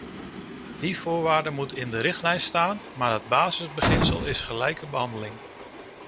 Die voorwaarden moeten in de richtlijn staan, maar het basisbeginsel is gelijke behandeling.